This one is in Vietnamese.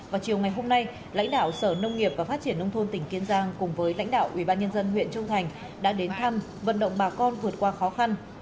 vào chiều ngày hôm nay lãnh đạo sở nông nghiệp và phát triển nông thôn tỉnh kiên giang cùng với lãnh đạo ubnd huyện châu thành đã đến thăm vận động bà con vượt qua khó khăn